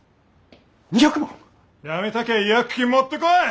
やめたきゃ違約金持ってこい！